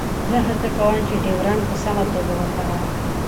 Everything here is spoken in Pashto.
زه هڅه کوم چې ډیوډرنټ په سمه توګه وکاروم.